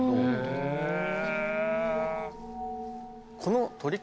へぇ。